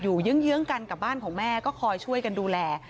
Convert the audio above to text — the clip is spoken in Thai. เยื้องกันกับบ้านของแม่ก็คอยช่วยกันดูแล